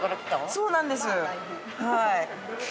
そうなんですはい。